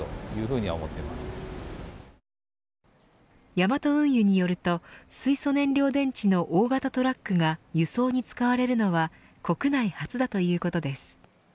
ヤマト運輸によると水素燃料電池の大型トラックが輸送に使われるのは国内初だということです。